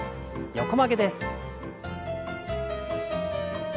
横曲げです。